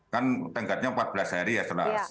kan tingkatnya empat belas hari ya setelah di